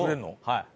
はい。